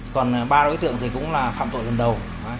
còn ba đối tượng thì cũng là phạm tội lần đầu